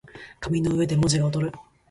紙の上で文字が躍る